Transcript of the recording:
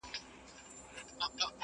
پلار له سترګو ځان پټوي..